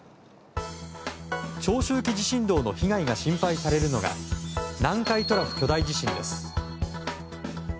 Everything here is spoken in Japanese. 長周期地震動の被害が心配されるのが南海トラフ巨大地震です。